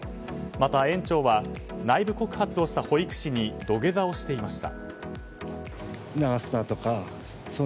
また、園長は内部告発をした保育士に土下座をしていました。